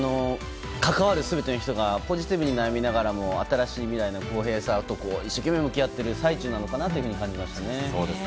関わる全ての人がポジティブに悩みながらも新しい未来の公平さと一生懸命向き合っている最中かなと感じました。